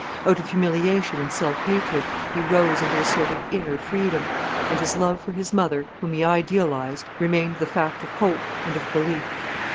Out of humiliation and self hatred, he rose into a sort of inner freedom. And his love for his mother, whom he idealised, remained the fact of hope and of belief.